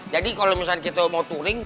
jadi kalau misalnya kita mau touring